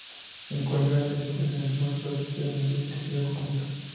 Se encuentran principalmente en el músculo, el tejido nervioso y el tejido conjuntivo.